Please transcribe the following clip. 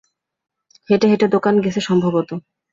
হেঁটে হেঁটে দোকান গেছে সম্ভবত।